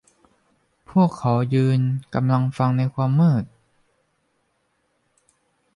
พวกเขายืนกำลังฟังในความมืด